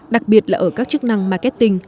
đặc biệt là ở các chức năng marketing